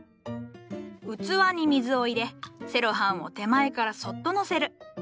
器に水を入れセロハンを手前からそっとのせる。